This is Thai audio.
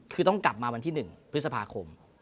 คือต้องกลับมาวันที่๑พฤษภาคม